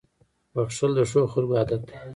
• بښل د ښو خلکو عادت دی.